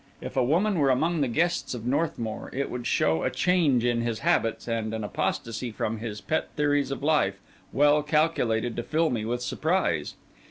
If a woman were among the guests of Northmour, it would show a change in his habits and an apostasy from his pet theories of life, well calculated to fill me with surprise.